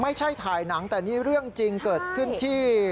ถ่ายหนังแต่นี่เรื่องจริงเกิดขึ้นที่